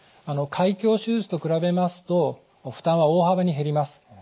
開胸手術と比べますと負担は大幅に減ります。